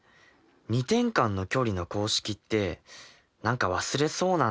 ２点間の距離の公式って何か忘れそうなんですが。